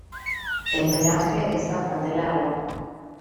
El pelaje es bastante largo.